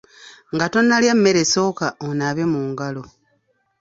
Nga tonnalya mmere sooka onaabe mu ngalo.